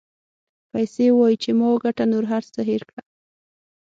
پیسې وایي چې ما وګټه نور هر څه هېر کړه.